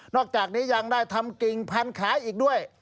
อกจากนี้ยังได้ทำกิ่งพันธุ์ขายอีกด้วย